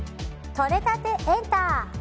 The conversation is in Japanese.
とれたてエンタ。